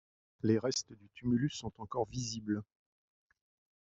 Les restes du tumulus sont encore visibles.